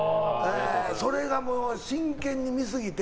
それが真剣に見すぎて。